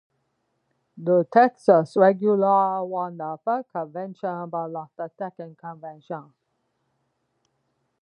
The Texas Regulars won the first convention, but lost the second convention.